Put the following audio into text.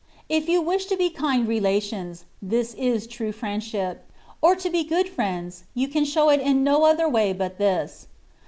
If you wish to be kind relations, this is true friendship ; or to be good friends, you can show it in no other way but this.